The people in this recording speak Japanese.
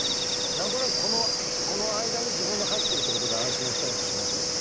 何となくこの間に自分が入ってるってことで安心したりもしましたけど。